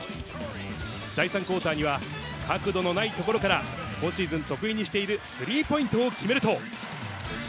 第３クオーターには、角度のない所から、今シーズン得意にしているスリーポイントを決めると。